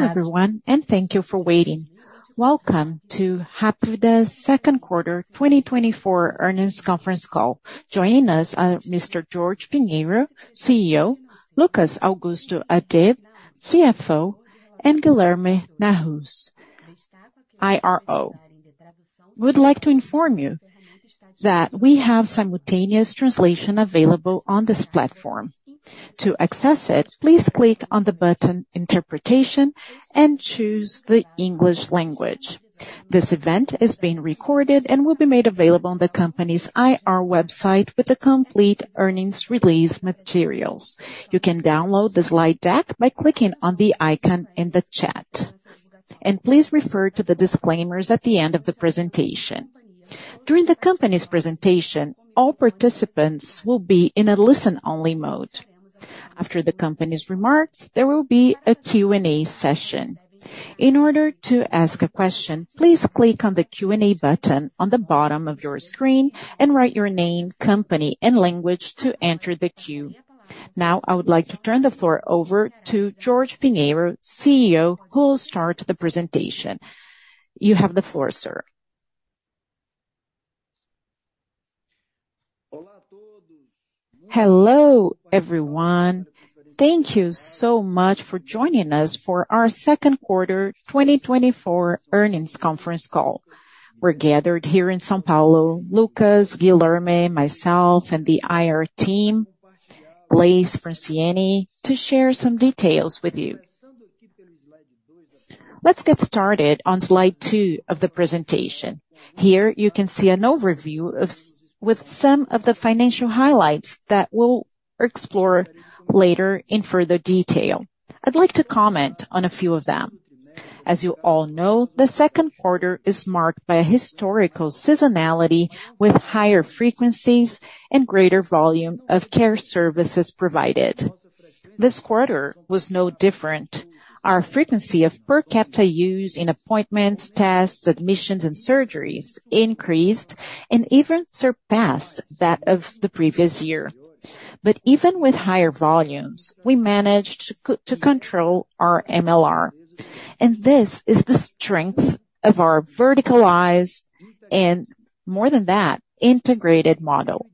Hello, everyone, and thank you for waiting. Welcome to Hapvida's second quarter 2024 earnings conference call. Joining us are Mr. Jorge Pinheiro, CEO; Luccas Adib, CFO; and Guilherme Nahas, IRO. We'd like to inform you that we have simultaneous translation available on this platform. To access it, please click on the button Interpretation and choose the English language. This event is being recorded and will be made available on the company's IR website with the complete earnings release materials. You can download the slide deck by clicking on the icon in the chat. Please refer to the disclaimers at the end of the presentation. During the company's presentation, all participants will be in a listen-only mode. After the company's remarks, there will be a Q&A session. In order to ask a question, please click on the Q&A button on the bottom of your screen and write your name, company, and language to enter the queue. Now, I would like to turn the floor over to Jorge Pinheiro, CEO, who will start the presentation. You have the floor, sir. Hello, everyone. Thank you so much for joining us for our second quarter 2024 earnings conference call. We're gathered here in São Paulo, Lucas, Guilherme, myself, and the IR team, Gleice, Franciane, to share some details with you. Let's get started on slide of the presentation. Here, you can see an overview with some of the financial highlights that we'll explore later in further detail. I'd like to comment on a few of them. As you all know, the second quarter is marked by a historical seasonality with higher frequencies and greater volume of care services provided. This quarter was no different. Our frequency of per capita use in appointments, tests, admissions, and surgeries increased and even surpassed that of the previous year. But even with higher volumes, we managed to control our MLR. And this is the strength of our verticalized, and more than that, integrated model.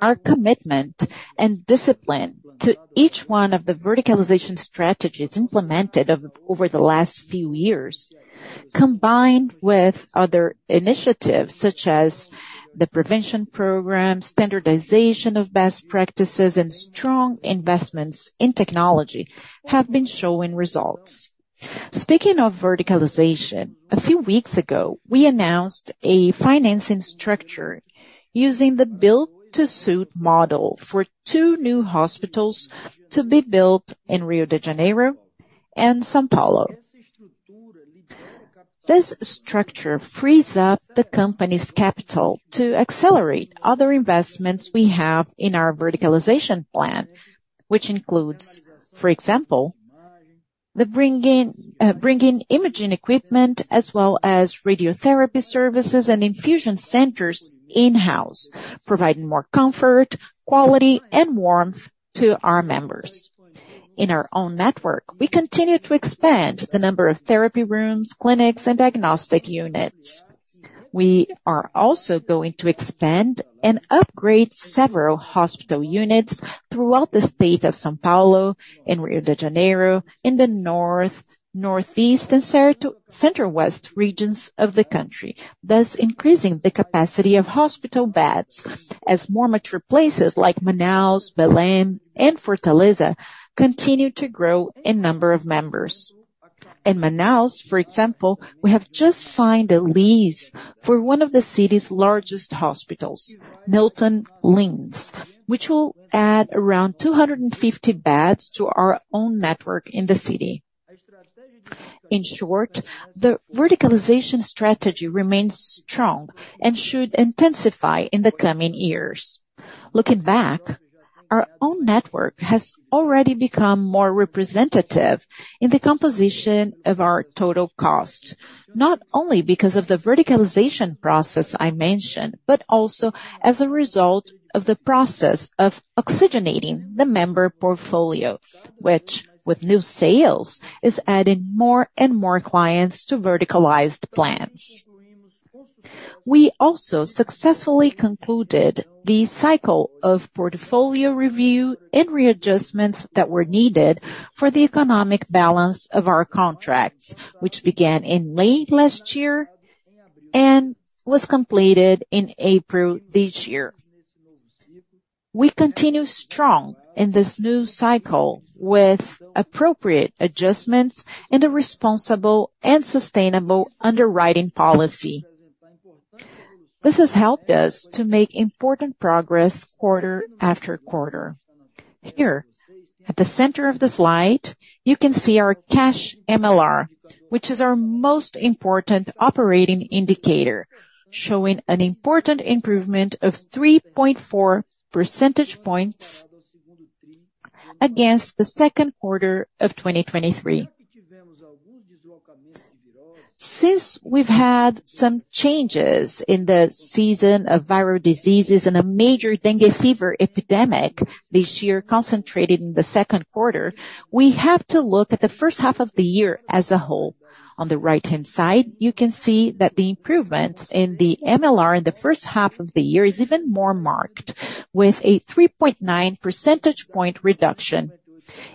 Our commitment and discipline to each one of the verticalization strategies implemented over the last few years, combined with other initiatives, such as the prevention program, standardization of best practices, and strong investments in technology, have been showing results. Speaking of verticalization, a few weeks ago, we announced a financing structure using the built-to-suit model for 2 new hospitals to be built in Rio de Janeiro and São Paulo. This structure frees up the company's capital to accelerate other investments we have in our verticalization plan, which includes, for example, the bringing imaging equipment as well as radiotherapy services and infusion centers in-house, providing more comfort, quality, and warmth to our members. In our own network, we continue to expand the number of therapy rooms, clinics, and diagnostic units. We are also going to expand and upgrade several hospital units throughout the state of São Paulo, in Rio de Janeiro, in the north, northeast, and Center-West regions of the country, thus increasing the capacity of hospital beds as more mature places like Manaus, Belém, and Fortaleza continue to grow in number of members. In Manaus, for example, we have just signed a lease for one of the city's largest hospitals, Nilton Lins, which will add around 250 beds to our own network in the city. In short, the verticalization strategy remains strong and should intensify in the coming years. Looking back, our own network has already become more representative in the composition of our total cost, not only because of the verticalization process I mentioned, but also as a result of the process of oxygenating the member portfolio, which, with new sales, is adding more and more clients to verticalized plans. We also successfully concluded the cycle of portfolio review and readjustments that were needed for the economic balance of our contracts, which began in late last year and was completed in April this year. We continue strong in this new cycle with appropriate adjustments and a responsible and sustainable underwriting policy. This has helped us to make important progress quarter after quarter. Here, at the center of the slide, you can see our cash MLR, which is our most important operating indicator, showing an important improvement of 3.4 percentage points against the second quarter of 2023. Since we've had some changes in the season of viral diseases and a major dengue fever epidemic this year concentrated in the second quarter, we have to look at the first half of the year as a whole. On the right-hand side, you can see that the improvements in the MLR in the first half of the year is even more marked, with a 3.9 percentage point reduction.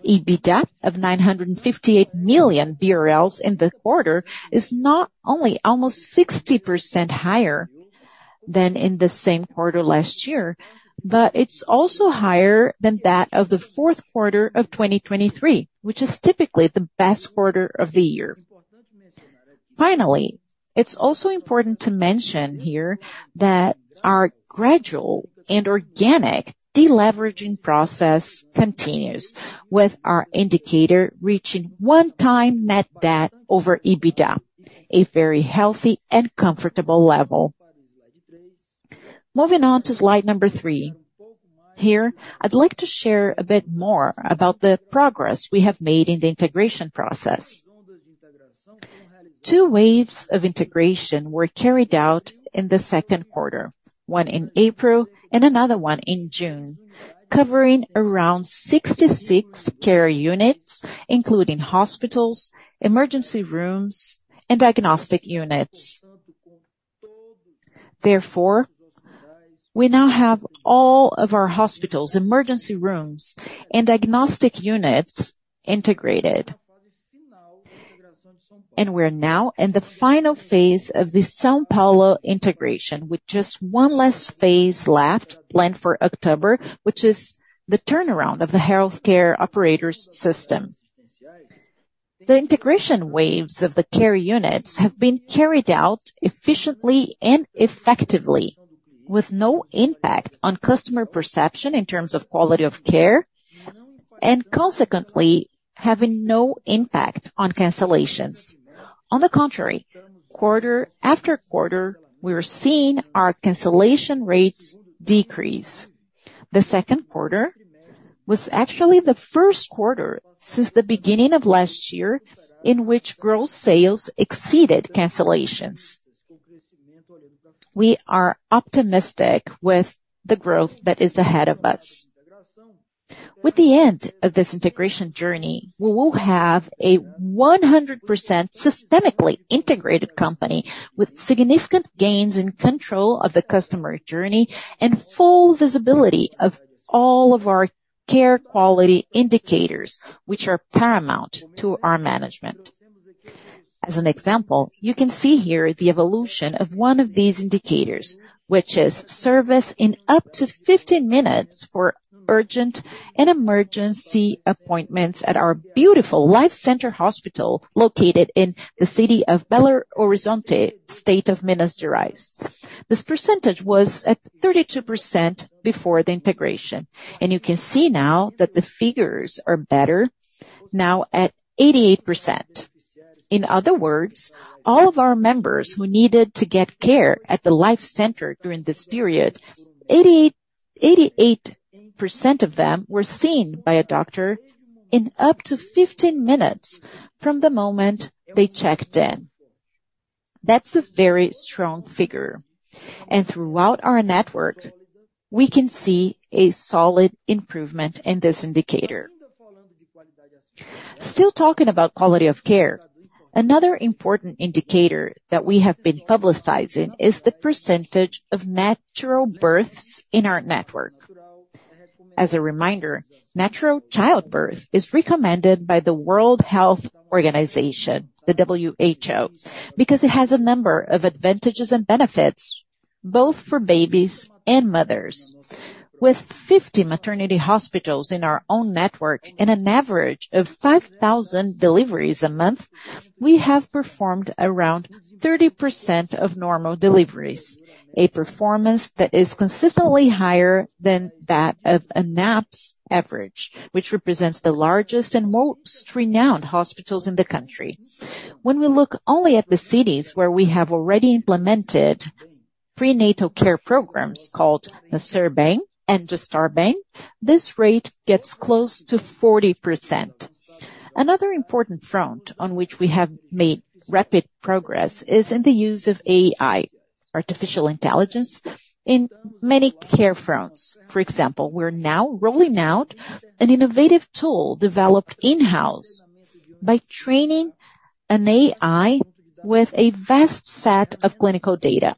EBITDA of 958 million BRL in the quarter, is not only almost 60% higher than in the same quarter last year, but it's also higher than that of the fourth quarter of 2023, which is typically the best quarter of the year. Finally, it's also important to mention here that our gradual and organic deleveraging process continues, with our indicator reaching 1x net debt over EBITDA, a very healthy and comfortable level. Moving on to slide number three. Here, I'd like to share a bit more about the progress we have made in the integration process. Two waves of integration were carried out in the second quarter, one in April and another one in June, covering around 66 care units, including hospitals, emergency rooms, and diagnostic units. Therefore, we now have all of our hospitals, emergency rooms, and diagnostic units integrated. We're now in the final phase of the São Paulo integration, with just one last phase left, planned for October, which is the turnaround of the healthcare operators system. The integration waves of the care units have been carried out efficiently and effectively, with no impact on customer perception in terms of quality of care, and consequently, having no impact on cancellations. On the contrary, quarter after quarter, we are seeing our cancellation rates decrease. The second quarter was actually the first quarter since the beginning of last year, in which gross sales exceeded cancellations. We are optimistic with the growth that is ahead of us. With the end of this integration journey, we will have a 100% systemically integrated company, with significant gains in control of the customer journey, and full visibility of all of our care quality indicators, which are paramount to our management. As an example, you can see here the evolution of one of these indicators, which is service in up to 15 minutes for urgent and emergency appointments at our beautiful Hospital Lifecenter, located in the city of Belo Horizonte, State of Minas Gerais. This percentage was at 32% before the integration, and you can see now that the figures are better, now at 88%. In other words, all of our members who needed to get care at the Lifecenter during this period, 88, 88% of them were seen by a doctor in up to 15 minutes from the moment they checked in. That's a very strong figure, and throughout our network, we can see a solid improvement in this indicator. Still talking about quality of care, another important indicator that we have been publicizing is the percentage of natural births in our network. As a reminder, natural childbirth is recommended by the World Health Organization, the WHO, because it has a number of advantages and benefits, both for babies and mothers. With 50 maternity hospitals in our own network and an average of 5,000 deliveries a month, we have performed around 30% of normal deliveries. A performance that is consistently higher than that of ANAHP's average, which represents the largest and most renowned hospitals in the country. When we look only at the cities where we have already implemented prenatal care programs called the Nascer Bem and Viver Bem, this rate gets close to 40%. Another important front on which we have made rapid progress is in the use of AI, artificial intelligence, in many care fronts. For example, we're now rolling out an innovative tool developed in-house by training an AI with a vast set of clinical data.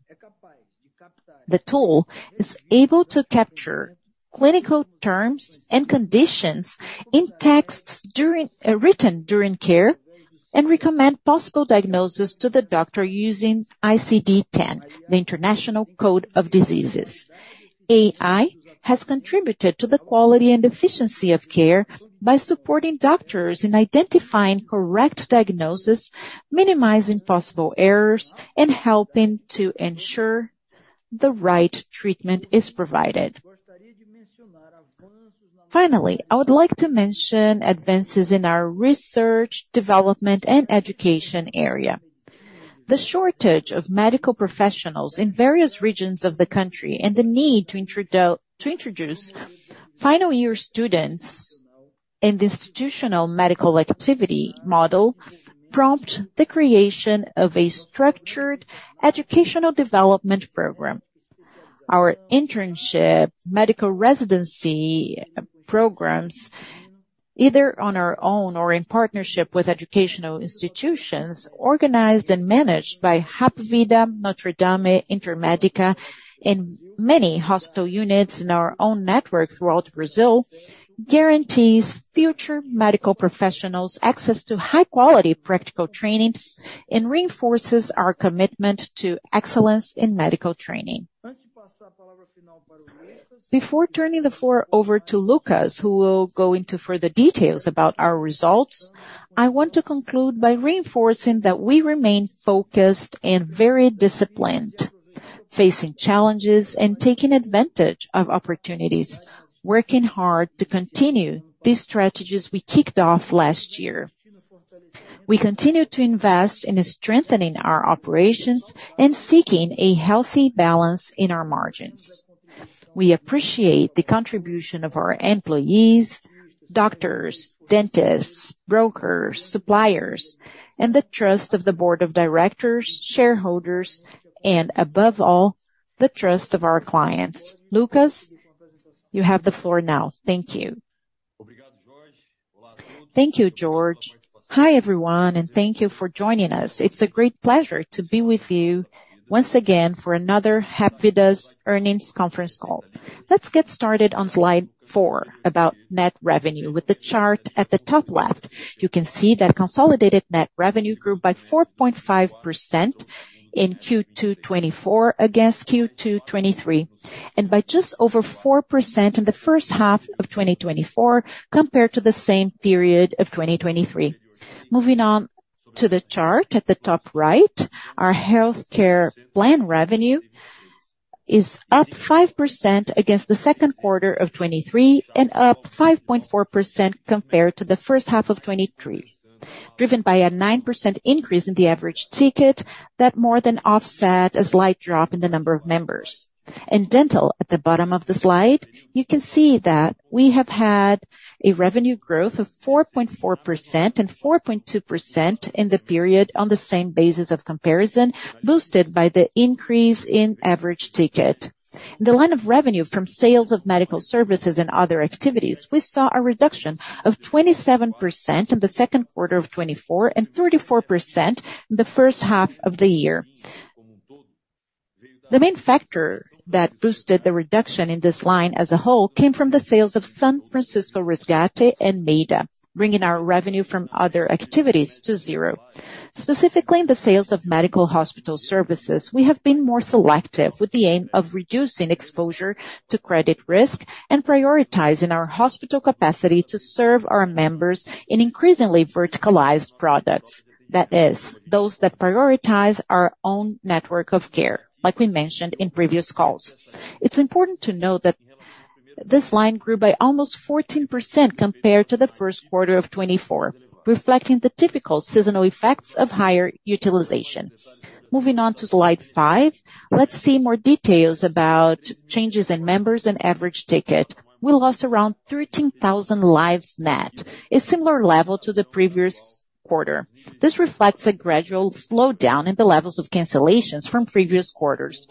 The tool is able to capture clinical terms and conditions in texts during written during care, and recommend possible diagnosis to the doctor using ICD-10, the International Classification of Diseases. AI has contributed to the quality and efficiency of care by supporting doctors in identifying correct diagnosis, minimizing possible errors, and helping to ensure the right treatment is provided. Finally, I would like to mention advances in our research, development, and education area. The shortage of medical professionals in various regions of the country, and the need to introduce final-year students and institutional medical activity model prompt the creation of a structured educational development program. Our internship medical residency programs, either on our own or in partnership with educational institutions, organized and managed by Hapvida NotreDame Intermédica, and many hospital units in our own network throughout Brazil, guarantees future medical professionals access to high quality practical training, and reinforces our commitment to excellence in medical training. Before turning the floor over to Lucas, who will go into further details about our results, I want to conclude by reinforcing that we remain focused and very disciplined, facing challenges and taking advantage of opportunities, working hard to continue these strategies we kicked off last year. We continue to invest in strengthening our operations and seeking a healthy balance in our margins. We appreciate the contribution of our employees, doctors, dentists, brokers, suppliers, and the trust of the board of directors, shareholders, and above all, the trust of our clients. Lucas, you have the floor now. Thank you. Thank you, Jorge. Hi, everyone, and thank you for joining us. It's a great pleasure to be with you once again for another Hapvida's earnings conference call. Let's get started on slide four, about net revenue. With the chart at the top left, you can see that consolidated net revenue grew by 4.5% in Q2 2024 against Q2 2023, and by just over 4% in the first half of 2024, compared to the same period of 2023. Moving on to the chart at the top right, our healthcare plan revenue is up 5% against the second quarter of 2023, and up 5.4% compared to the first half of 2023, driven by a 9% increase in the average ticket, that more than offset a slight drop in the number of members. In dental, at the bottom of the slide, you can see that we have had a revenue growth of 4.4% and 4.2% in the period on the same basis of comparison, boosted by the increase in average ticket. The line of revenue from sales of medical services and other activities, we saw a reduction of 27% in the second quarter of 2024, and 34% in the first half of the year. The main factor that boosted the reduction in this line as a whole, came from the sales of São Francisco Resgate and Maida, bringing our revenue from other activities to zero. Specifically, in the sales of medical hospital services, we have been more selective, with the aim of reducing exposure to credit risk and prioritizing our hospital capacity to serve our members in increasingly verticalized products. That is, those that prioritize our own network of care, like we mentioned in previous calls. It's important to note that this line grew by almost 14% compared to the first quarter of 2024, reflecting the typical seasonal effects of higher utilization. Moving on to slide five, let's see more details about changes in members and average ticket. We lost around 13,000 lives net, a similar level to the previous quarter. This reflects a gradual slowdown in the levels of cancellations from previous quarters.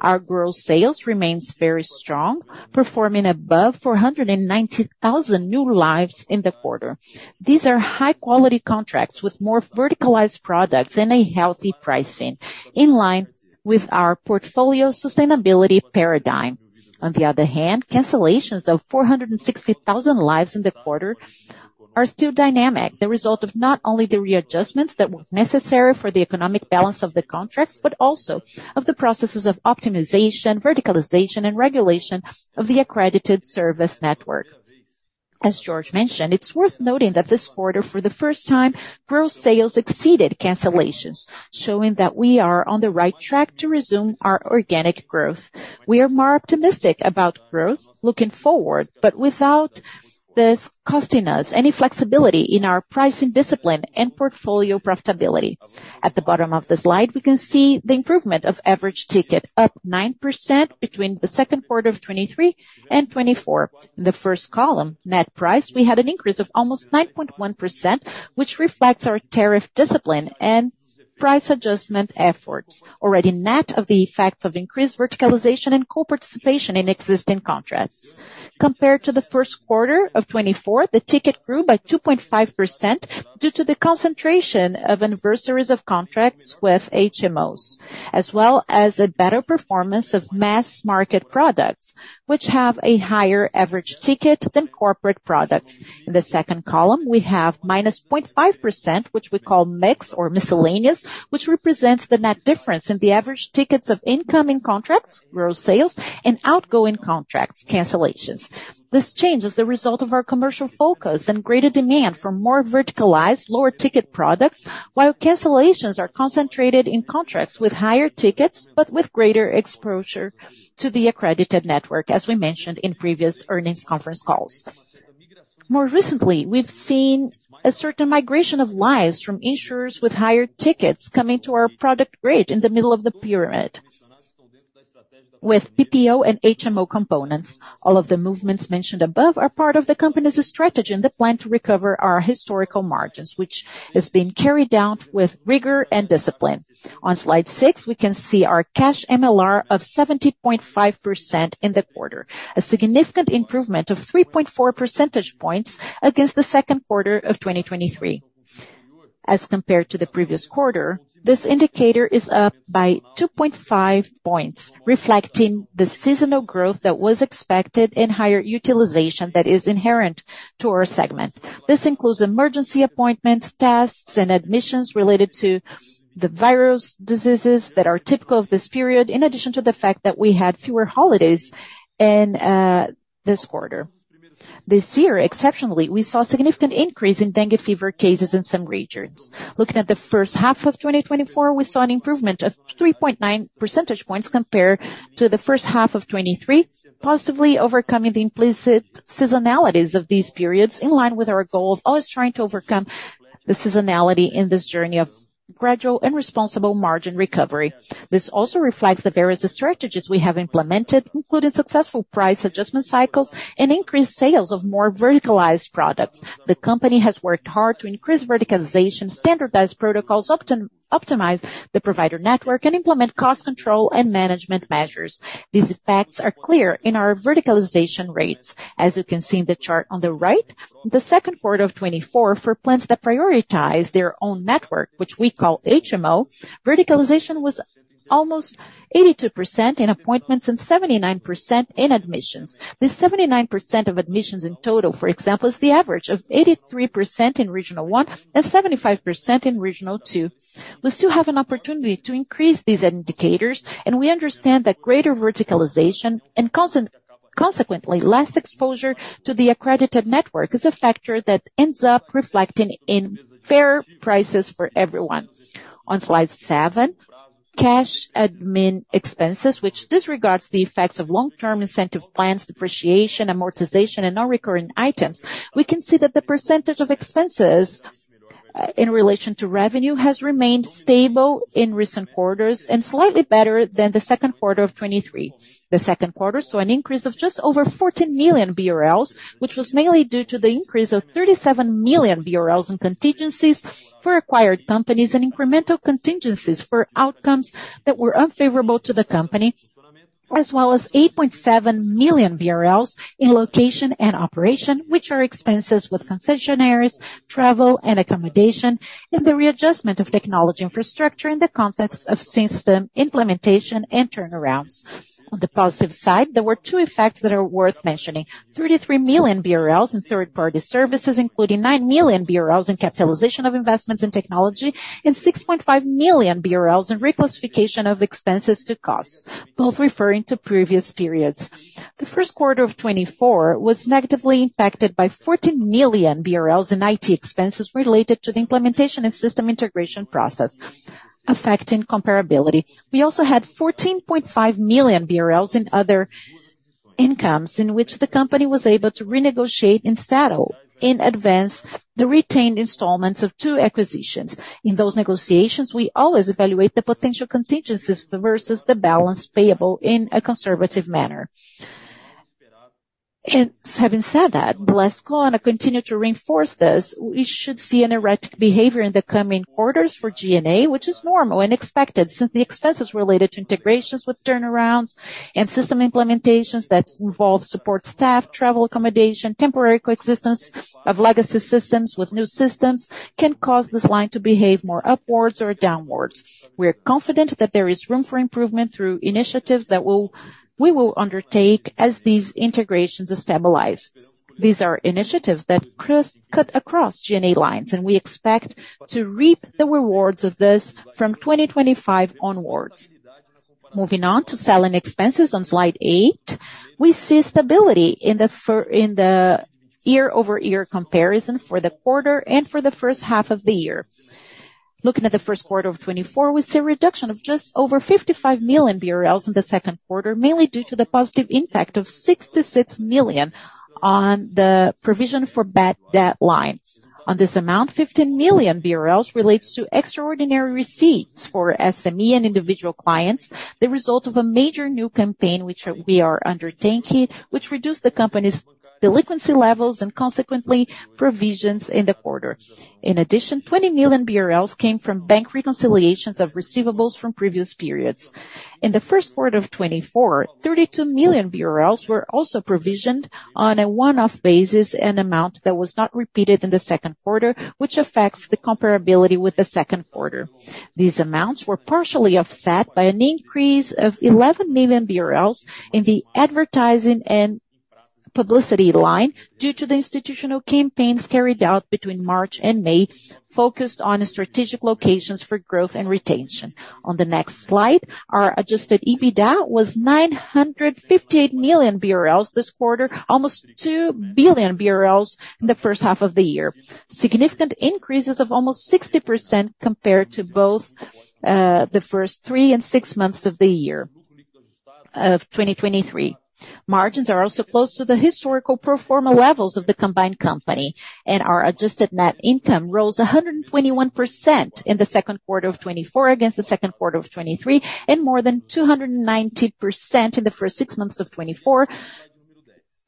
Our gross sales remains very strong, performing above 490,000 new lives in the quarter. These are high-quality contracts with more verticalized products and a healthy pricing, in line with our portfolio sustainability paradigm. On the other hand, cancellations of 460,000 lives in the quarter are still dynamic, the result of not only the readjustments that were necessary for the economic balance of the contracts, but also of the processes of optimization, verticalization, and regulation of the accredited service network. As Jorge mentioned, it's worth noting that this quarter, for the first time, gross sales exceeded cancellations, showing that we are on the right track to resume our organic growth. We are more optimistic about growth looking forward, but without this costing us any flexibility in our pricing discipline and portfolio profitability. At the bottom of the slide, we can see the improvement of average ticket, up 9% between the second quarter of 2023 and 2024. The first column, net price, we had an increase of almost 9.1%, which reflects our tariff discipline and price adjustment efforts. Already net of the effects of increased verticalization and co-participation in existing contracts. Compared to the first quarter of 2024, the ticket grew by 2.5% due to the concentration of anniversaries of contracts with HMOs, as well as a better performance of mass market products, which have a higher average ticket than corporate products. In the second column, we have -0.5%, which we call mix or miscellaneous, which represents the net difference in the average tickets of incoming contracts, gross sales, and outgoing contracts, cancellations. This change is the result of our commercial focus and greater demand for more verticalized, lower ticket products, while cancellations are concentrated in contracts with higher tickets, but with greater exposure to the accredited network, as we mentioned in previous earnings conference calls. More recently, we've seen a certain migration of lives from insurers with higher tickets coming to our product grid in the middle of the pyramid... With PPO and HMO components. All of the movements mentioned above are part of the company's strategy and the plan to recover our historical margins, which has been carried out with rigor and discipline. On slide six, we can see our cash MLR of 70.5% in the quarter, a significant improvement of 3.4 percentage points against the second quarter of 2023. As compared to the previous quarter, this indicator is up by 2.5 points, reflecting the seasonal growth that was expected in higher utilization that is inherent to our segment. This includes emergency appointments, tests, and admissions related to the virus diseases that are typical of this period, in addition to the fact that we had fewer holidays in this quarter. This year, exceptionally, we saw a significant increase in dengue fever cases in some regions. Looking at the first half of 2024, we saw an improvement of 3.9 percentage points compared to the first half of 2023, positively overcoming the implicit seasonalities of these periods, in line with our goal of always trying to overcome the seasonality in this journey of gradual and responsible margin recovery. This also reflects the various strategies we have implemented, including successful price adjustment cycles and increased sales of more verticalized products. The company has worked hard to increase verticalization, standardized protocols, optimize the provider network, and implement cost control and management measures. These effects are clear in our verticalization rates. As you can see in the chart on the right, the second quarter of 2024, for plans that prioritize their own network, which we call HMO, verticalization was almost 82% in appointments and 79% in admissions. This 79% of admissions in total, for example, is the average of 83% in Regional One and 75% in Regional Two. We still have an opportunity to increase these indicators, and we understand that greater verticalization and consequently, less exposure to the accredited network is a factor that ends up reflecting in fair prices for everyone. On slide seven, cash admin expenses, which disregards the effects of long-term incentive plans, depreciation, amortization, and non-recurring items. We can see that the percentage of expenses in relation to revenue has remained stable in recent quarters and slightly better than the second quarter of 2023. The second quarter saw an increase of just over 14 million BRL, which was mainly due to the increase of 37 million BRL in contingencies for acquired companies and incremental contingencies for outcomes that were unfavorable to the company, as well as 8.7 million BRL in location and operation, which are expenses with concessionaires, travel and accommodation, and the readjustment of technology infrastructure in the context of system implementation and turnarounds. On the positive side, there were two effects that are worth mentioning: 33 million BRL in third-party services, including 9 million BRL in capitalization of investments in technology, and 6.5 million BRL in reclassification of expenses to costs, both referring to previous periods. The first quarter of 2024 was negatively impacted by 14 million BRL in IT expenses related to the implementation and system integration process, affecting comparability. We also had 14.5 million BRL in other incomes, in which the company was able to renegotiate and settle in advance the retained installments of two acquisitions. In those negotiations, we always evaluate the potential contingencies versus the balance payable in a conservative manner. And having said that, let's go on and continue to reinforce this, we should see an erratic behavior in the coming quarters for G&A, which is normal and expected, since the expenses related to integrations with turnarounds and system implementations that involve support staff, travel, accommodation, temporary coexistence of legacy systems with new systems can cause this line to behave more upwards or downwards. We are confident that there is room for improvement through initiatives that we will undertake as these integrations stabilize. These are initiatives that cut across G&A lines, and we expect to reap the rewards of this from 2025 onwards. Moving on to selling expenses on slide eight, we see stability in the year-over-year comparison for the quarter and for the first half of the year. Looking at the first quarter of 2024, we see a reduction of just over 55 million BRL in the second quarter, mainly due to the positive impact of 66 million on the provision for bad debt line. On this amount, 15 million BRL relates to extraordinary receipts for SME and individual clients, the result of a major new campaign, which we are undertaking, which reduced the company's delinquency levels and consequently, provisions in the quarter. In addition, 20 million BRL came from bank reconciliations of receivables from previous periods. In the first quarter of 2024, 32 million BRL were also provisioned on a one-off basis, an amount that was not repeated in the second quarter, which affects the comparability with the second quarter. These amounts were partially offset by an increase of 11 million BRL in the advertising and publicity line due to the institutional campaigns carried out between March and May, focused on strategic locations for growth and retention. On the next slide, our Adjusted EBITDA was 958 million BRL this quarter, almost 2 billion BRL in the first half of the year. Significant increases of almost 60% compared to both, the first three and six months of the year of 2023.... Margins are also close to the historical pro forma levels of the combined company, and our adjusted net income rose 121% in the second quarter of 2024 against the second quarter of 2023, and more than 290% in the first six months of 2024,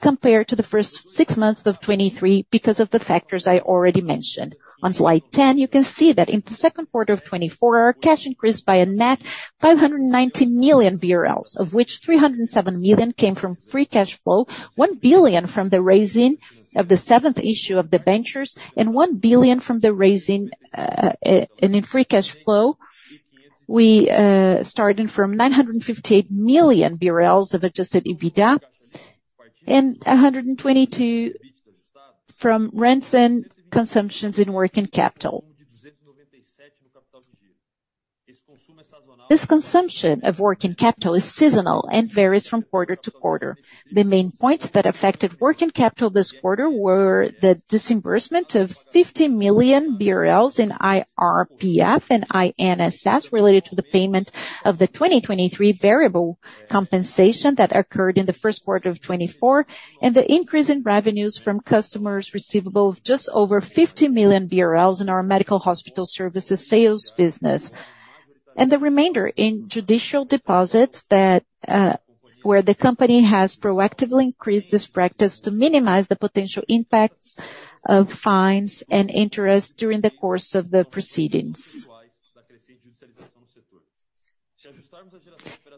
compared to the first six months of 2023, because of the factors I already mentioned. On slide 10, you can see that in the second quarter of 2024, our cash increased by a net 590 million BRL, of which 307 million came from free cash flow, 1 billion from the raising of the seventh issue of debentures, and 1 billion from the raising, and in free cash flow, we started from 958 million BRL of Adjusted EBITDA, and 122 from rents and consumptions in working capital. This consumption of working capital is seasonal and varies from quarter to quarter. The main points that affected working capital this quarter were the disbursement of 50 million BRL in IRPF and INSS, related to the payment of the 2023 variable compensation that occurred in the first quarter of 2024, and the increase in revenues from customers receivable of just over 50 million BRL in our medical hospital services sales business. The remainder in judicial deposits that, where the company has proactively increased this practice to minimize the potential impacts of fines and interest during the course of the proceedings.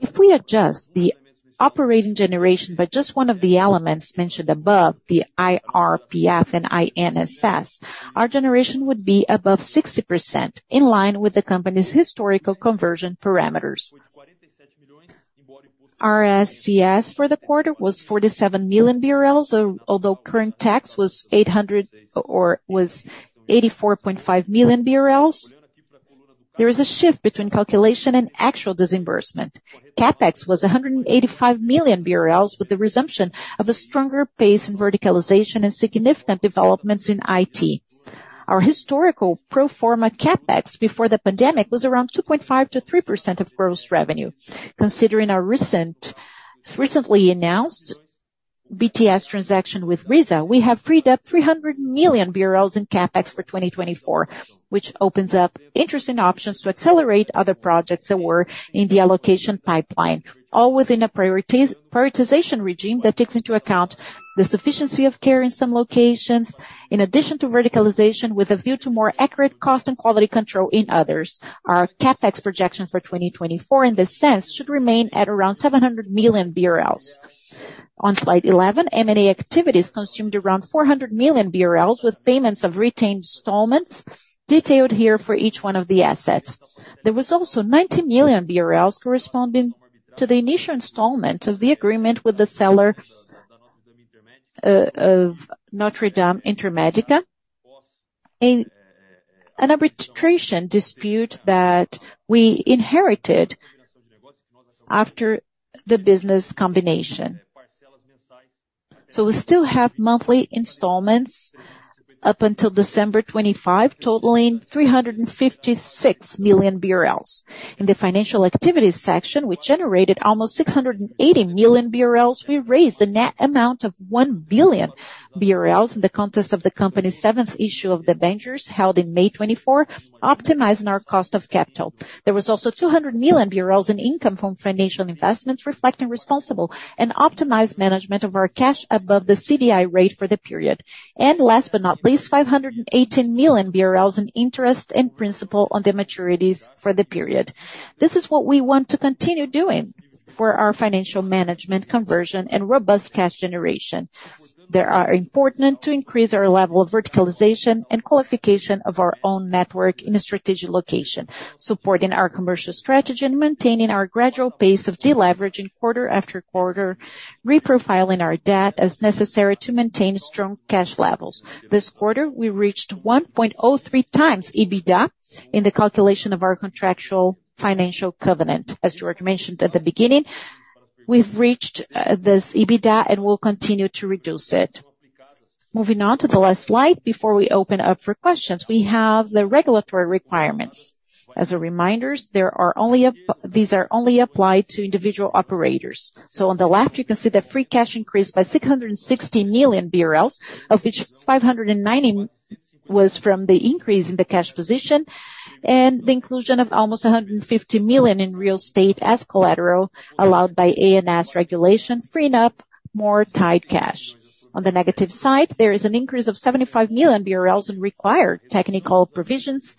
If we adjust the operating generation by just one of the elements mentioned above, the IRPF and INSS, our generation would be above 60%, in line with the company's historical conversion parameters. Our SCS for the quarter was 47 million BRL, although current tax was 84.5 million BRL. There is a shift between calculation and actual disbursement. CapEx was 185 million BRL, with the resumption of a stronger pace in verticalization and significant developments in IT. Our historical pro forma CapEx before the pandemic was around 2.5%-3% of gross revenue. Considering our recent, recently announced BTS transaction with Riza, we have freed up 300 million BRL in CapEx for 2024, which opens up interesting options to accelerate other projects that were in the allocation pipeline, all within a prioritization regime that takes into account the sufficiency of care in some locations, in addition to verticalization, with a view to more accurate cost and quality control in others. Our CapEx projection for 2024, in this sense, should remain at around 700 million BRL. On slide 11, M&A activities consumed around 400 million BRL, with payments of retained installments detailed here for each one of the assets. There was also 90 million BRL corresponding to the initial installment of the agreement with the seller, of NotreDame Intermédica, in an arbitration dispute that we inherited after the business combination. We still have monthly installments up until December 2025, totaling 356 million BRL. In the financial activities section, we generated almost 680 million BRL. We raised a net amount of 1 billion BRL in the context of the company's seventh issue of debentures held in May 2024, optimizing our cost of capital. There was also 200 million BRL in income from financial investments, reflecting responsible and optimized management of our cash above the CDI rate for the period. And last but not least, 518 million BRL in interest and principal on the maturities for the period. This is what we want to continue doing for our financial management conversion and robust cash generation. They are important to increase our level of verticalization and qualification of our own network in a strategic location, supporting our commercial strategy and maintaining our gradual pace of deleveraging quarter after quarter, reprofiling our debt as necessary to maintain strong cash levels. This quarter, we reached 1.03 times EBITDA in the calculation of our contractual financial covenant. As Jorge mentioned at the beginning, we've reached this EBITDA and will continue to reduce it. Moving on to the last slide before we open up for questions, we have the regulatory requirements. As a reminder, these are only applied to individual operators. So on the left, you can see that free cash increased by 660 million BRL, of which 590 million was from the increase in the cash position and the inclusion of almost 150 million in real estate as collateral, allowed by ANS regulation, freeing up more tied cash. On the negative side, there is an increase of 75 million BRL in required technical provisions.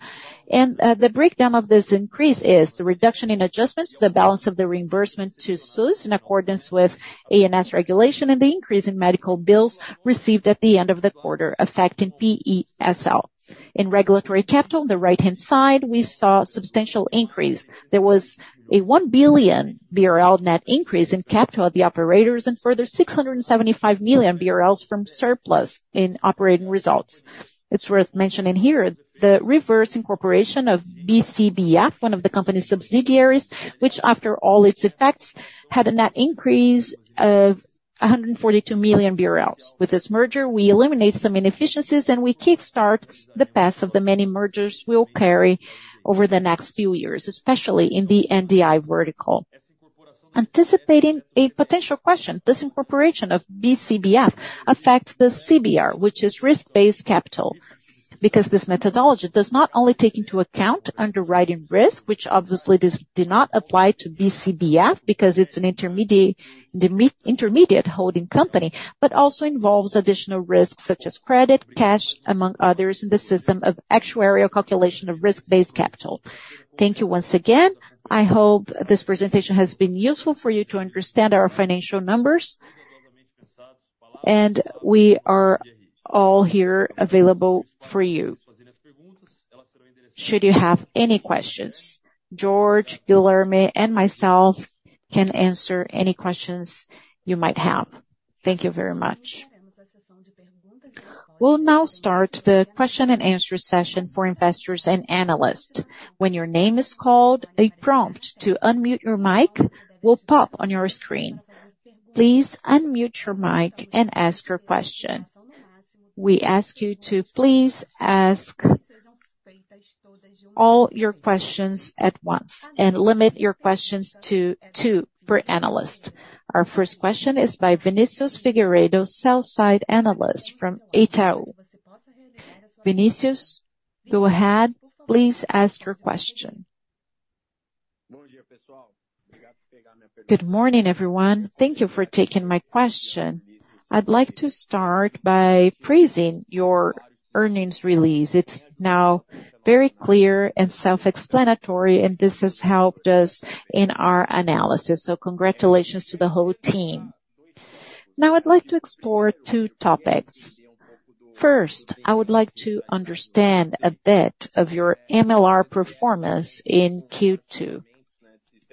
The breakdown of this increase is the reduction in adjustments to the balance of the reimbursement to SUS, in accordance with ANS regulation, and the increase in medical bills received at the end of the quarter, affecting PESL. In regulatory capital, on the right-hand side, we saw substantial increase. There was a 1 billion BRL net increase in capital at the operators and further 675 million BRL from surplus in operating results. It's worth mentioning here the reverse incorporation of BCBF, one of the company's subsidiaries, which, after all its effects, had a net increase of 142 million BRL. With this merger, we eliminate some inefficiencies, and we kickstart the path of the many mergers we'll carry over the next few years, especially in the NDI vertical. Anticipating a potential question, this incorporation of BCBF affects the CBR, which is risk-based capital, because this methodology does not only take into account underwriting risk, which obviously does not apply to BCBF because it's an intermediate holding company, but also involves additional risks such as credit, cash, among others, in the system of actuarial calculation of risk-based capital. Thank you once again. I hope this presentation has been useful for you to understand our financial numbers. We are all here available for you. Should you have any questions, Jorge, Guilherme, and myself can answer any questions you might have. Thank you very much. We'll now start the question and answer session for investors and analysts. When your name is called, a prompt to unmute your mic will pop on your screen. Please unmute your mic and ask your question. We ask you to please ask all your questions at once, and limit your questions to two per analyst. Our first question is by Vinicius Figueiredo, sell-side analyst from Itaú. Vinicius, go ahead. Please ask your question. Good morning, everyone. Thank you for taking my question. I'd like to start by praising your earnings release. It's now very clear and self-explanatory, and this has helped us in our analysis. So congratulations to the whole team. Now I'd like to explore two topics. First, I would like to understand a bit of your MLR performance in Q2.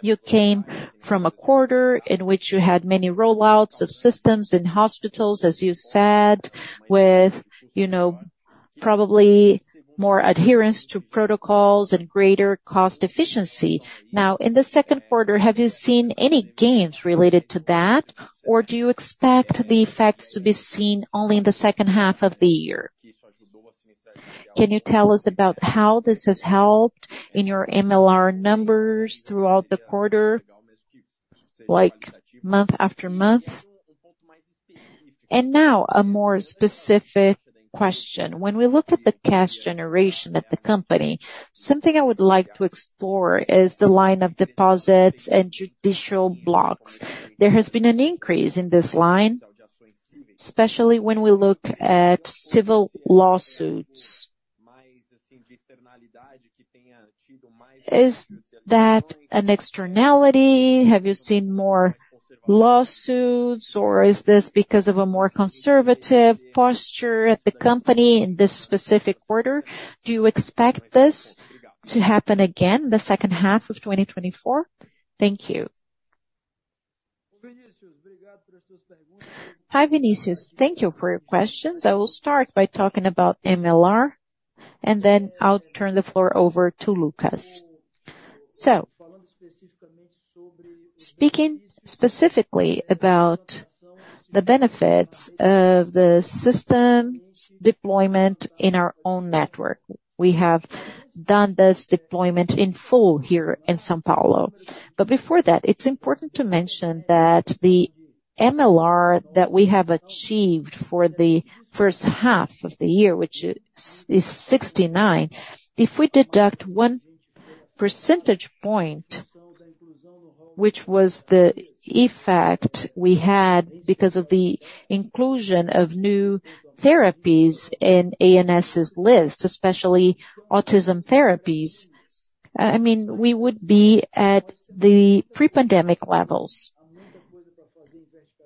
You came from a quarter in which you had many rollouts of systems in hospitals, as you said, with, you know, probably more adherence to protocols and greater cost efficiency. Now, in the second quarter, have you seen any gains related to that, or do you expect the effects to be seen only in the second half of the year? Can you tell us about how this has helped in your MLR numbers throughout the quarter, like, month after month? Now, a more specific question. When we look at the cash generation at the company, something I would like to explore is the line of deposits and judicial blocks. There has been an increase in this line, especially when we look at civil lawsuits. Is that an externality? Have you seen more lawsuits, or is this because of a more conservative posture at the company in this specific quarter? Do you expect this to happen again the second half of 2024? Thank you. Hi, Vinicius. Thank you for your questions. I will start by talking about MLR, and then I'll turn the floor over to Lucas. So, speaking specifically about the benefits of the system's deployment in our own network, we have done this deployment in full here in São Paulo. But before that, it's important to mention that the MLR that we have achieved for the first half of the year, which is, is 69%, if we deduct 1 percentage point, which was the effect we had because of the inclusion of new therapies in ANS's list, especially autism therapies, I mean, we would be at the pre-pandemic levels.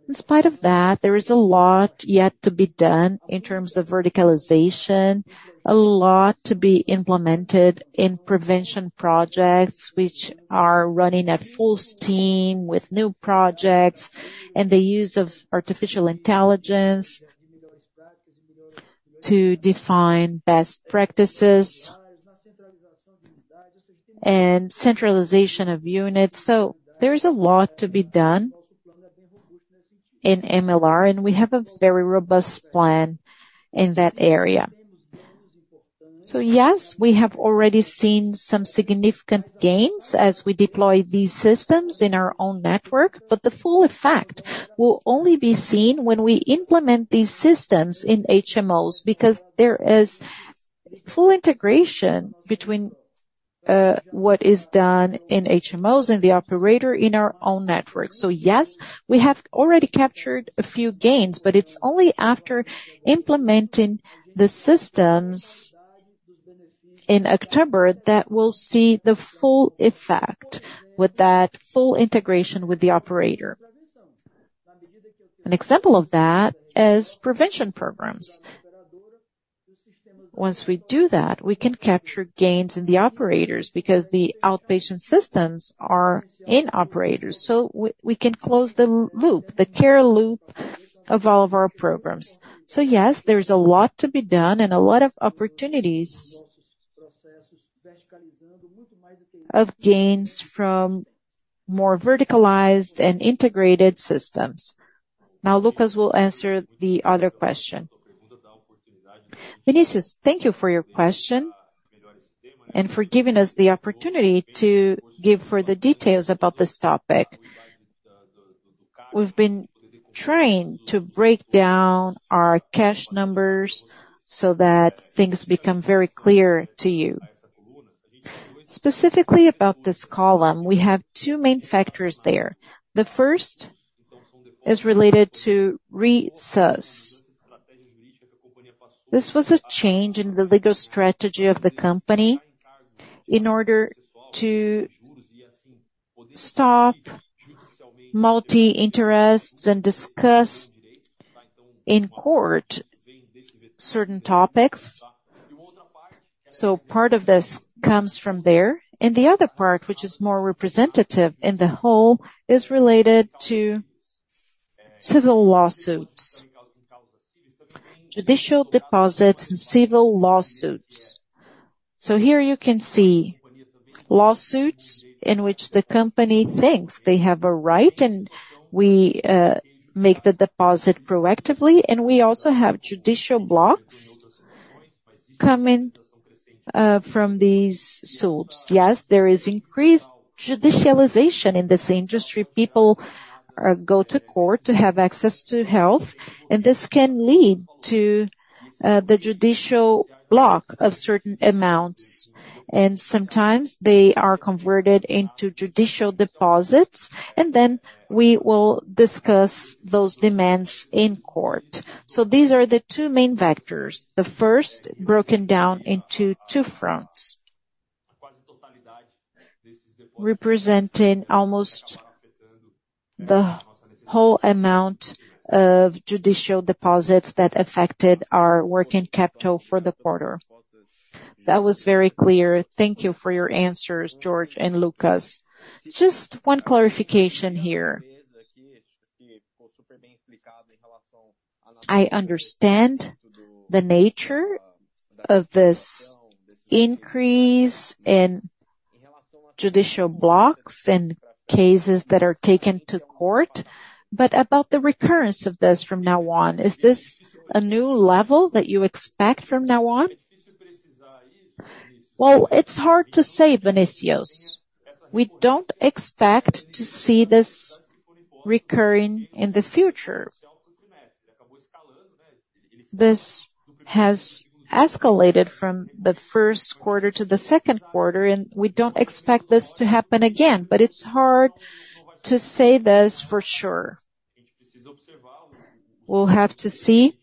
In spite of that, there is a lot yet to be done in terms of verticalization, a lot to be implemented in prevention projects, which are running at full steam with new projects and the use of artificial intelligence to define best practices and centralization of units. So there is a lot to be done in MLR, and we have a very robust plan in that area. So yes, we have already seen some significant gains as we deploy these systems in our own network, but the full effect will only be seen when we implement these systems in HMOs, because there is full integration between what is done in HMOs and the operator in our own network. So yes, we have already captured a few gains, but it's only after implementing the systems in October that we'll see the full effect with that full integration with the operator. An example of that is prevention programs. Once we do that, we can capture gains in the operators, because the outpatient systems are in operators, so we can close the loop, the care loop of all of our programs. So yes, there is a lot to be done and a lot of opportunities of gains from more verticalized and integrated systems. Now, Lucas will answer the other question. Vinicius, thank you for your question, and for giving us the opportunity to give further details about this topic. We've been trying to break down our cash numbers so that things become very clear to you. Specifically about this column, we have two main factors there. The first is related to re-sus. This was a change in the legal strategy of the company, in order to stop multi-interests and discuss in court certain topics. So part of this comes from there, and the other part, which is more representative in the whole, is related to civil lawsuits. Judicial deposits and civil lawsuits. So here you can see lawsuits in which the company thinks they have a right, and we make the deposit proactively, and we also have judicial blocks coming from these suits. Yes, there is increased judicialization in this industry. People go to court to have access to health, and this can lead to the judicial block of certain amounts, and sometimes they are converted into judicial deposits, and then we will discuss those demands in court. So these are the two main factors. The first, broken down into two fronts. Representing almost the whole amount of judicial deposits that affected our working capital for the quarter. That was very clear. Thank you for your answers, Jorge and Lucas. Just one clarification here. I understand the nature of this increase in judicial blocks and cases that are taken to court, but about the recurrence of this from now on, is this a new level that you expect from now on? Well, it's hard to say, Vinicius. We don't expect to see this recurring in the future. This has escalated from the first quarter to the second quarter, and we don't expect this to happen again, but it's hard to say this for sure. We'll have to see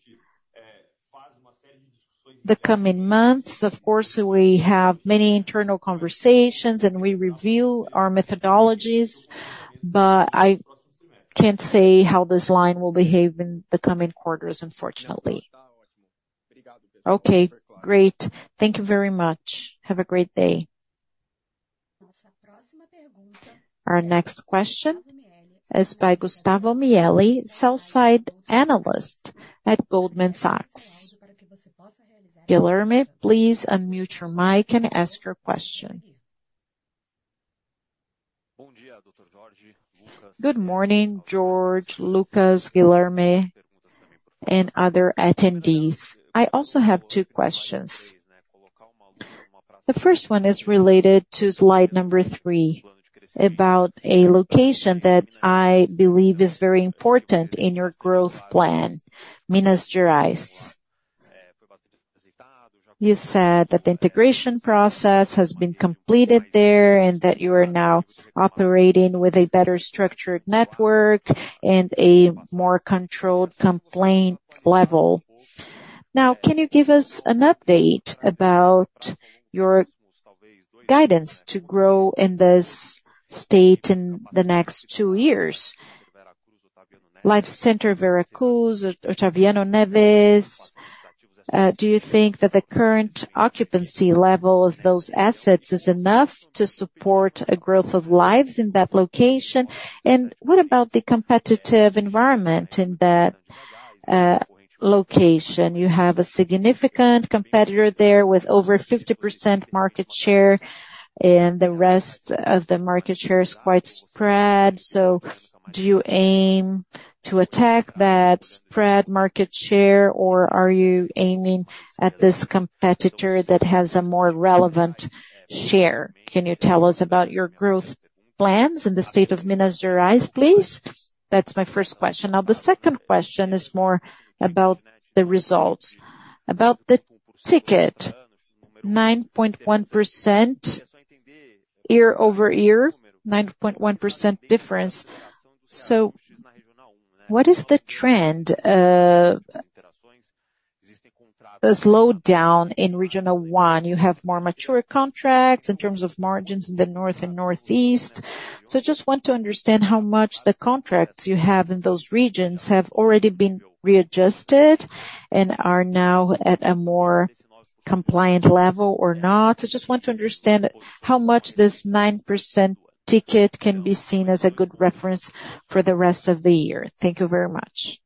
the coming months. Of course, we have many internal conversations, and we review our methodologies, but I can't say how this line will behave in the coming quarters, unfortunately. Okay, great. Thank you very much. Have a great day. Our next question is by Gustavo Mielli, sell-side analyst at Goldman Sachs. Guilherme, please unmute your mic and ask your question. Good morning, Jorge, Lucas, Guilherme, and other attendees. I also have two questions. The first one is related to slide number three, about a location that I believe is very important in your growth plan, Minas Gerais. You said that the integration process has been completed there, and that you are now operating with a better structured network and a more controlled complaint level. Now, can you give us an update about your guidance to grow in this state in the next two years? Lifecenter, Vera Cruz, or Otaviano Neves. Do you think that the current occupancy level of those assets is enough to support a growth of lives in that location? And what about the competitive environment in that location? You have a significant competitor there with over 50% market share, and the rest of the market share is quite spread. So do you aim to attack that spread market share, or are you aiming at this competitor that has a more relevant share? Can you tell us about your growth plans in the state of Minas Gerais, please? That's my first question. Now, the second question is more about the results. About the ticket, 9.1% year-over-year, 9.1% difference. So what is the trend of a slowdown in regional one? You have more mature contracts in terms of margins in the north and northeast. So I just want to understand how much the contracts you have in those regions have already been readjusted and are now at a more compliant level or not. I just want to understand how much this 9% ticket can be seen as a good reference for the rest of the year. Thank you very much.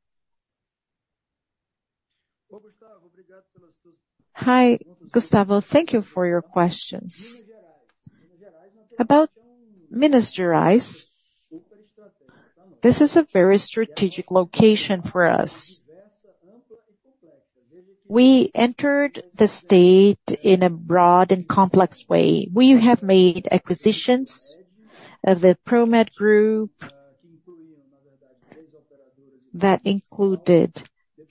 Hi, Gustavo. Thank you for your questions. About Minas Gerais. This is a very strategic location for us. We entered the state in a broad and complex way. We have made acquisitions of the Promed Group, that included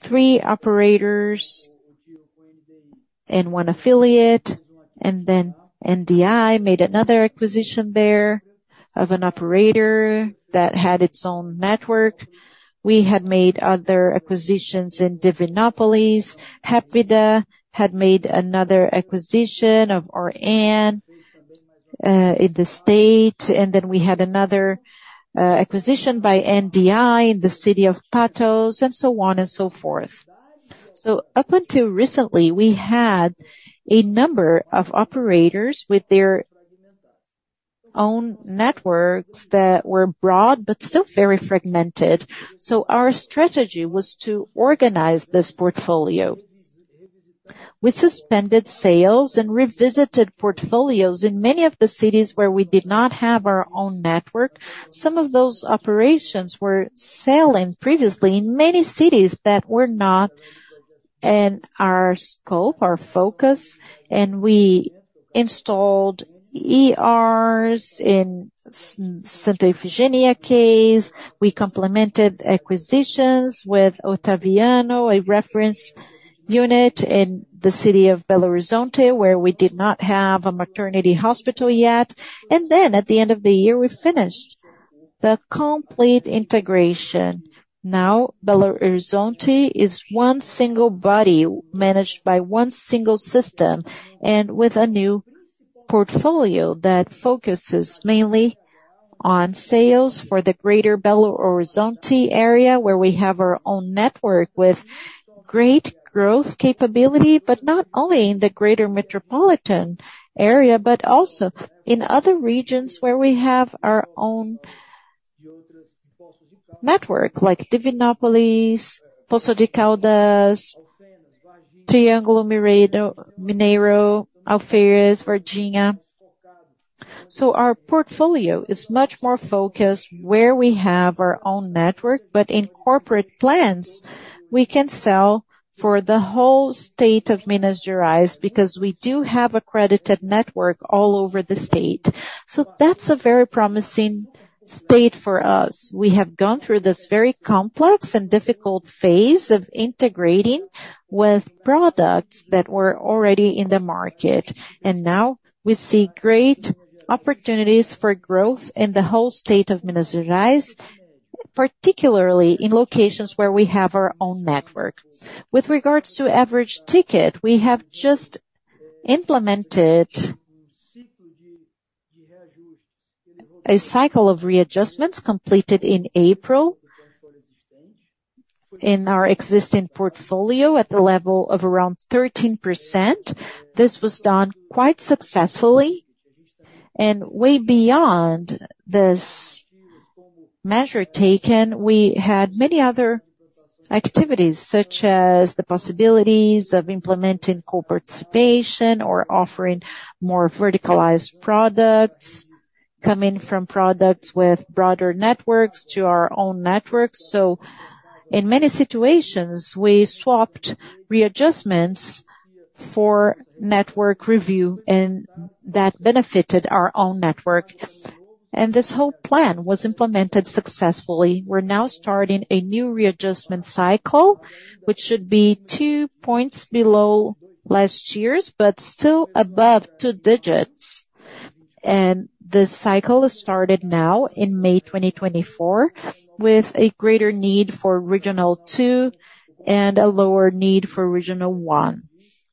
three operators and one affiliate, and then NDI made another acquisition there of an operator that had its own network. We had made other acquisitions in Divinópolis. Hapvida had made another acquisition of ORAN in the state, and then we had another acquisition by NDI in the city of Patos, and so on and so forth. So up until recently, we had a number of operators with their own networks that were broad but still very fragmented. So our strategy was to organize this portfolio. We suspended sales and revisited portfolios in many of the cities where we did not have our own network. Some of those operations were selling previously in many cities that were not in our scope, our focus, and we installed ERs in Santa Efigênia Cais. We complemented acquisitions with Otaviano Neves, a reference unit in the city of Belo Horizonte, where we did not have a maternity hospital yet. Then, at the end of the year, we finished the complete integration. Now, Belo Horizonte is one single body managed by one single system and with a new portfolio that focuses mainly on sales for the greater Belo Horizonte area, where we have our own network with great growth capability, but not only in the greater metropolitan area, but also in other regions where we have our own network, like Divinópolis, Poços de Caldas, Triângulo Mineiro, Alfenas, Varginha. So our portfolio is much more focused where we have our own network, but in corporate plans, we can sell for the whole state of Minas Gerais because we do have accredited network all over the state. So that's a very promising state for us. We have gone through this very complex and difficult phase of integrating with products that were already in the market, and now we see great opportunities for growth in the whole state of Minas Gerais, particularly in locations where we have our own network. With regards to average ticket, we have just implemented a cycle of readjustments completed in April in our existing portfolio at the level of around 13%. This was done quite successfully. Way beyond this measure taken, we had many other activities, such as the possibilities of implementing co-participation or offering more verticalized products, coming from products with broader networks to our own networks. In many situations, we swapped readjustments for network review, and that benefited our own network. This whole plan was implemented successfully. We're now starting a new readjustment cycle, which should be 2 points below last year's, but still above two digits. The cycle is started now in May 2024, with a greater need for Regional 2 and a lower need for Regional 1.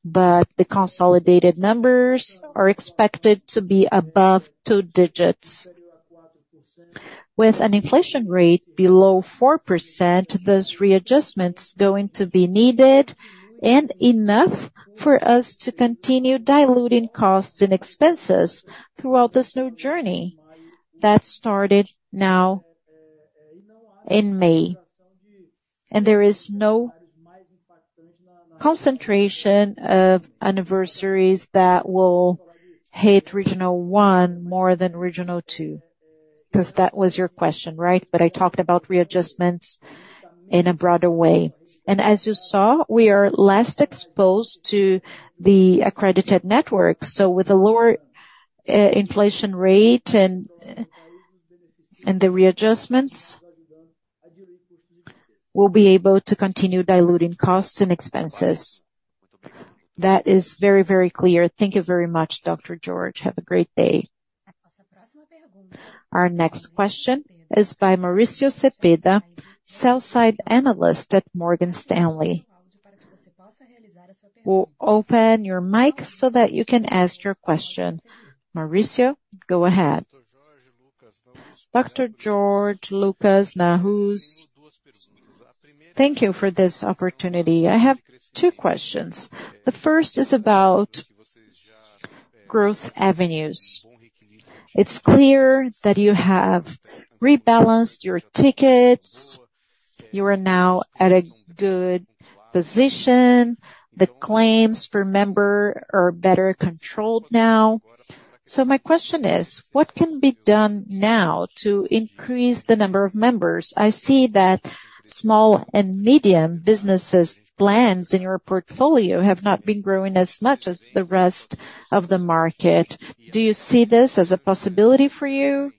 The consolidated numbers are expected to be above two digits. With an inflation rate below 4%, those readjustments going to be needed and enough for us to continue diluting costs and expenses throughout this new journey that started now in May. There is no concentration of anniversaries that will hit Regional One more than Regional Two, because that was your question, right? But I talked about readjustments in a broader way. As you saw, we are less exposed to the accredited network. So with a lower inflation rate and the readjustments, we'll be able to continue diluting costs and expenses. That is very, very clear. Thank you very much, Dr. Jorge. Have a great day. Our next question is by Mauricio Cepeda, sell-side analyst at Morgan Stanley. We'll open your mic so that you can ask your question. Mauricio, go ahead. Dr. Jorge, Luccas, Nahas, thank you for this opportunity. I have two questions. The first is about growth avenues. It's clear that you have rebalanced your tickets- You are now at a good position. The claims per member are better controlled now. So my question is, what can be done now to increase the number of members? I see that small and medium businesses' plans in your portfolio have not been growing as much as the rest of the market. Do you see this as a possibility for you?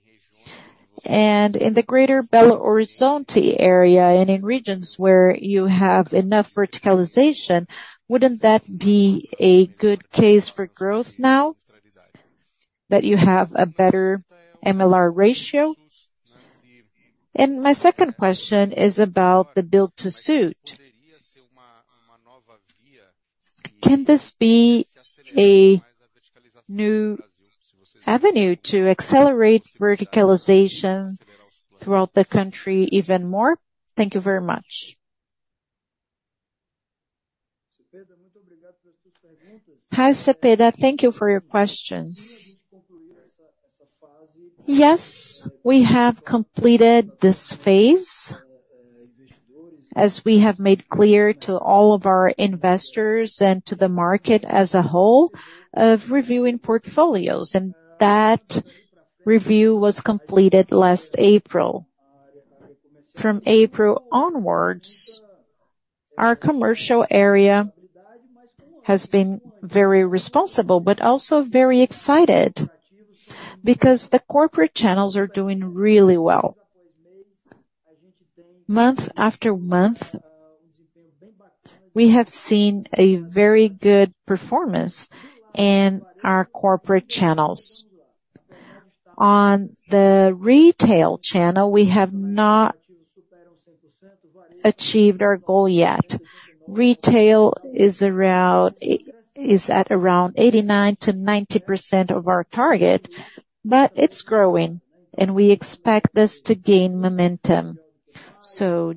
And in the greater Belo Horizonte area, and in regions where you have enough verticalization, wouldn't that be a good case for growth now, that you have a better MLR ratio? And my second question is about the built-to-suit. Can this be a new avenue to accelerate verticalization throughout the country even more? Thank you very much. Hi, Cepeda. Thank you for your questions. Yes, we have completed this phase, as we have made clear to all of our investors and to the market as a whole, of reviewing portfolios, and that review was completed last April. From April onwards, our commercial area has been very responsible, but also very excited, because the corporate channels are doing really well. Month after month, we have seen a very good performance in our corporate channels. On the retail channel, we have not achieved our goal yet. Retail is around, is at around 89%-90% of our target, but it's growing, and we expect this to gain momentum. So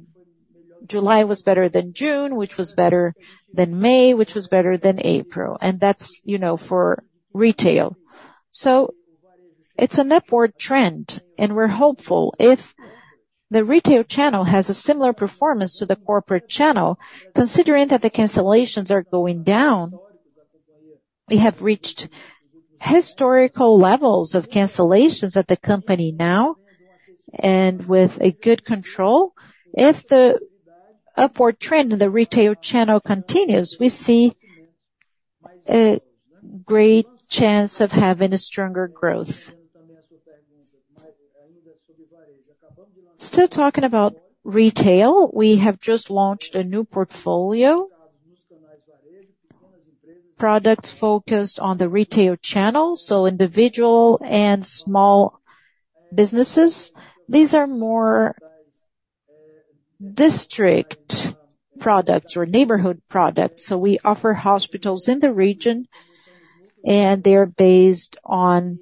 July was better than June, which was better than May, which was better than April, and that's, you know, for retail. So it's an upward trend, and we're hopeful. If the retail channel has a similar performance to the corporate channel, considering that the cancellations are going down, we have reached historical levels of cancellations at the company now, and with a good control. If the upward trend in the retail channel continues, we see a great chance of having a stronger growth. Still talking about retail, we have just launched a new portfolio. Products focused on the retail channel, so individual and small businesses. These are more district products or neighborhood products, so we offer hospitals in the region, and they are based on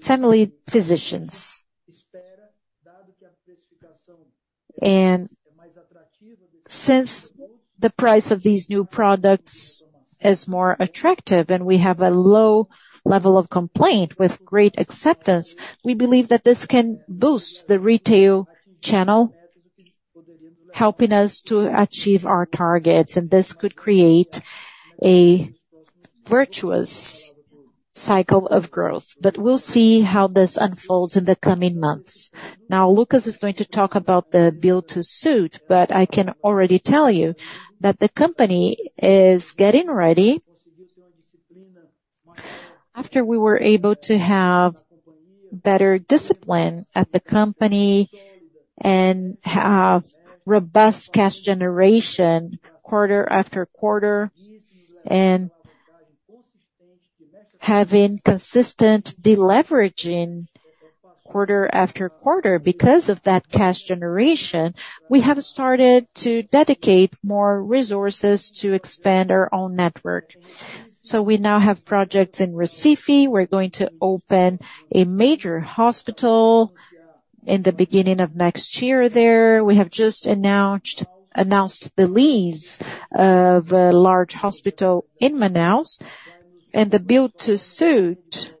family physicians. And since the price of these new products is more attractive and we have a low level of complaint with great acceptance, we believe that this can boost the retail channel, helping us to achieve our targets, and this could create a virtuous cycle of growth. But we'll see how this unfolds in the coming months. Now, Lucas is going to talk about the build to suit, but I can already tell you that the company is getting ready. After we were able to have better discipline at the company and have robust cash generation quarter after quarter, and having consistent deleveraging quarter after quarter because of that cash generation, we have started to dedicate more resources to expand our own network. So we now have projects in Recife. We're going to open a major hospital in the beginning of next year there. We have just announced the lease of a large hospital in Manaus, and the build to suit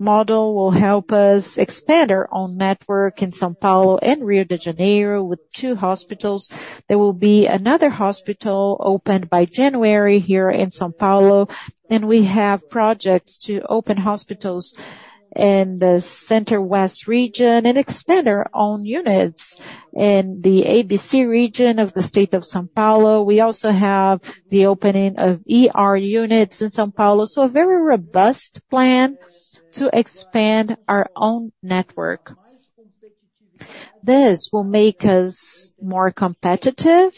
model will help us expand our own network in São Paulo and Rio de Janeiro with two hospitals. There will be another hospital opened by January here in São Paulo, and we have projects to open hospitals in the Center-West region and expand our own units in the ABC Region of the state of São Paulo. We also have the opening of ER units in São Paulo, so a very robust plan to expand our own network. This will make us more competitive,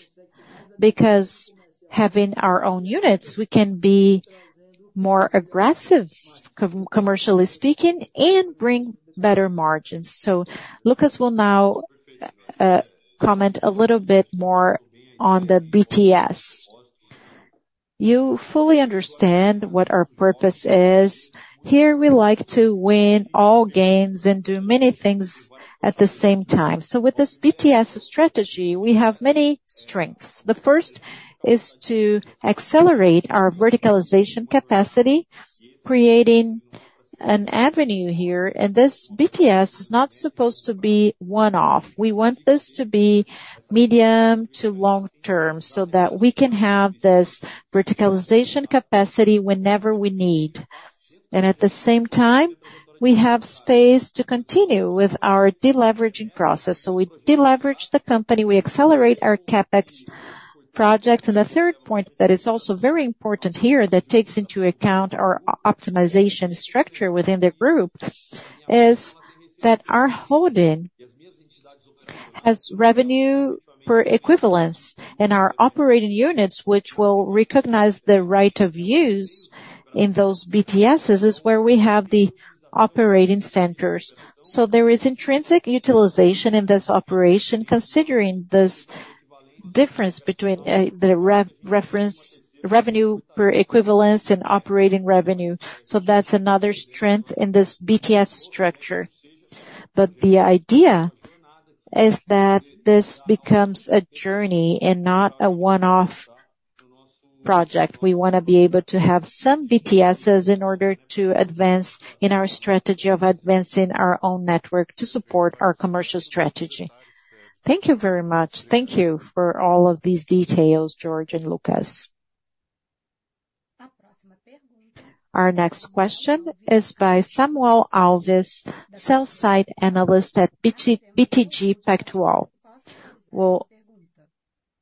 because having our own units, we can be more aggressive, commercially speaking, and bring better margins. So Lucas will now comment a little bit more on the BTS. You fully understand what our purpose is. Here, we like to win all games and do many things at the same time. So with this BTS strategy, we have many strengths. The first is to accelerate our verticalization capacity, creating an avenue here, and this BTS is not supposed to be one-off. We want this to be medium to long-term, so that we can have this verticalization capacity whenever we need. And at the same time, we have space to continue with our deleveraging process. So we deleverage the company, we accelerate our CapEx projects. And the third point that is also very important here, that takes into account our optimization structure within the group, is that our holding has revenue per equivalence in our operating units, which will recognize the right of use in those BTSs, is where we have the operating centers. So there is intrinsic utilization in this operation, considering this difference between the reference revenue per equivalence and operating revenue. So that's another strength in this BTS structure. But the idea is that this becomes a journey and not a one-off project. We wanna be able to have some BTSs in order to advance in our strategy of advancing our own network to support our commercial strategy. Thank you very much. Thank you for all of these details, Jorge and Luccas. Our next question is by Samuel Alves, sell-side analyst at BTG Pactual. We'll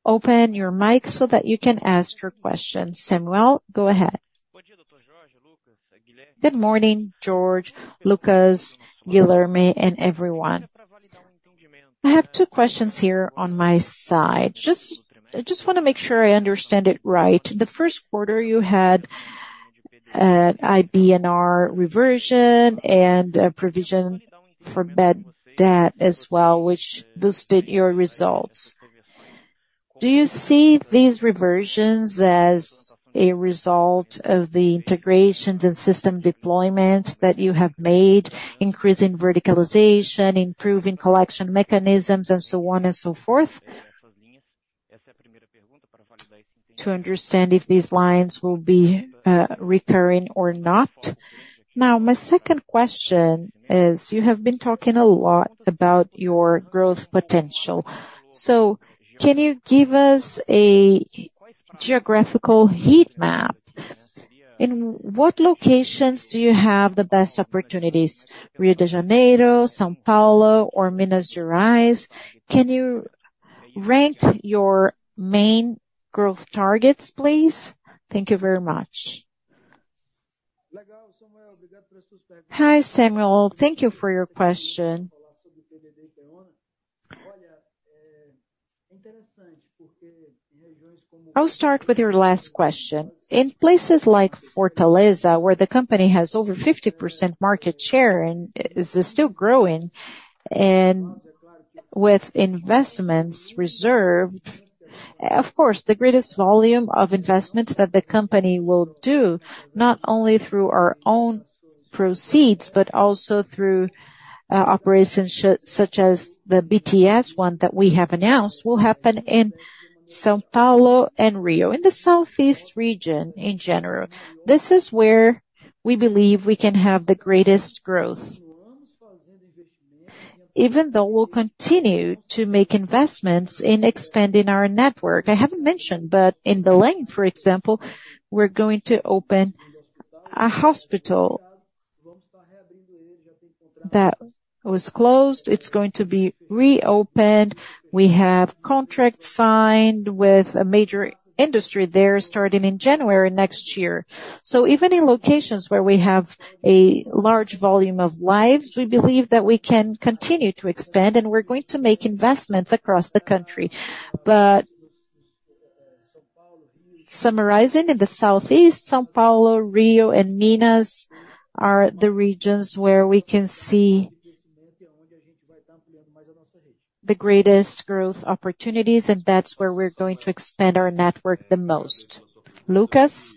open your mic so that you can ask your question. Samuel, go ahead. Good morning, Jorge, Luccas, Guilherme, and everyone. I have two questions here on my side. Just, I just wanna make sure I understand it right. The first quarter, you had IBNR reversion and a provision for bad debt as well, which boosted your results. Do you see these reversions as a result of the integrations and system deployment that you have made, increasing verticalization, improving collection mechanisms, and so on and so forth? To understand if these lines will be recurring or not. Now, my second question is: you have been talking a lot about your growth potential. So can you give us a geographical heat map? In what locations do you have the best opportunities? Rio de Janeiro, São Paulo, or Minas Gerais. Can you rank your main growth targets, please? Thank you very much. Hi, Samuel. Thank you for your question. I'll start with your last question. In places like Fortaleza, where the company has over 50% market share and is still growing, and with investments reserved, of course, the greatest volume of investments that the company will do, not only through our own proceeds, but also through operations such as the BTS one that we have announced, will happen in São Paulo and Rio, in the Southeast region in general. This is where we believe we can have the greatest growth. Even though we'll continue to make investments in expanding our network. I haven't mentioned, but in Belém, for example, we're going to open a hospital that was closed, it's going to be reopened. We have contracts signed with a major industry there, starting in January next year. So even in locations where we have a large volume of lives, we believe that we can continue to expand, and we're going to make investments across the country. But summarizing, in the Southeast, São Paulo, Rio, and Minas are the regions where we can see the greatest growth opportunities, and that's where we're going to expand our network the most. Lucas?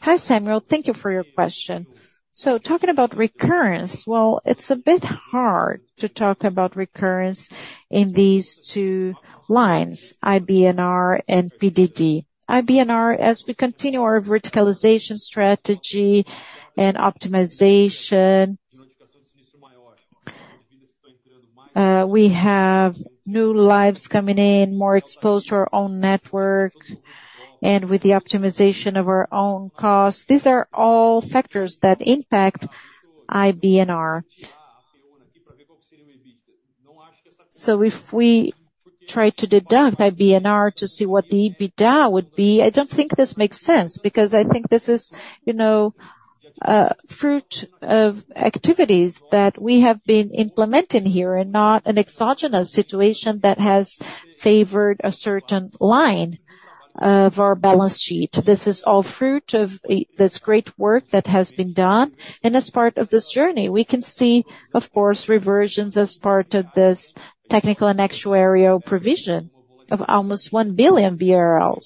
Hi, Samuel. Thank you for your question. So talking about recurrence, well, it's a bit hard to talk about recurrence in these two lines, IBNR and PDD. IBNR, as we continue our verticalization strategy and optimization, we have new lives coming in, more exposed to our own network and with the optimization of our own costs. These are all factors that impact IBNR. So if we try to deduct IBNR to see what the EBITDA would be, I don't think this makes sense, because I think this is, you know, fruit of activities that we have been implementing here and not an exogenous situation that has favored a certain line of our balance sheet. This is all fruit of this great work that has been done, and as part of this journey, we can see, of course, reversions as part of this technical and actuarial provision of almost 1 billion BRL.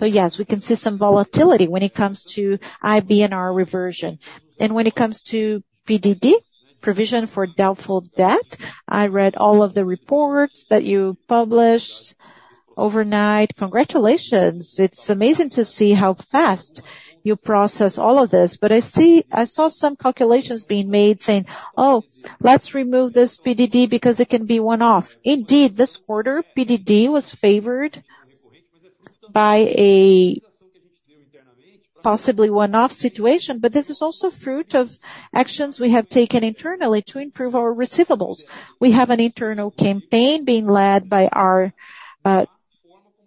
So yes, we can see some volatility when it comes to IBNR reversion. When it comes to PDD, provision for doubtful debt, I read all of the reports that you published overnight. Congratulations! It's amazing to see how fast you process all of this. But I see, I saw some calculations being made saying, "Oh, let's remove this PDD because it can be one-off." Indeed, this quarter, PDD was favored by a possibly one-off situation, but this is also fruit of actions we have taken internally to improve our receivables. We have an internal campaign being led by our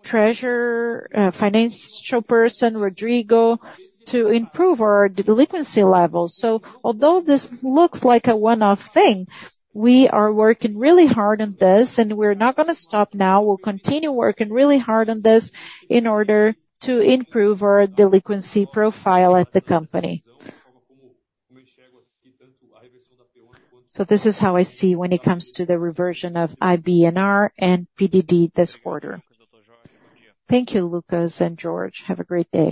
treasurer, financial person, Rodrigo, to improve our delinquency level. So although this looks like a one-off thing, we are working really hard on this, and we're not gonna stop now. We'll continue working really hard on this in order to improve our delinquency profile at the company. This is how I see when it comes to the reversion of IBNR and PDD this quarter. Thank you, Luccas and Jorge. Have a great day.